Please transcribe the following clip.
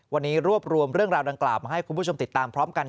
วันนี้รวบรวมเรื่องราวดังกล่าวมาให้คุณผู้ชมติดตามพร้อมกัน